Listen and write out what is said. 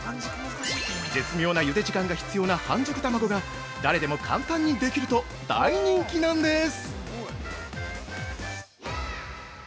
絶妙な湯で時間が必要な半熟卵が誰でも簡単にできると大人気なんです！